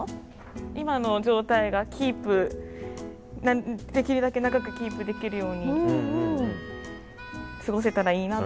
今の状態がキープできるだけ長くキープできるように過ごせたらいいなと。